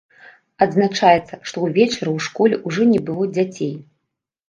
Адзначаецца, што ўвечары ў школе ўжо не было дзяцей.